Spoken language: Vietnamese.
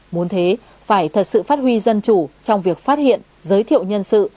muốn thế phải thật sự phát huy dân chủ trong việc phát hiện giới thiệu nhân sự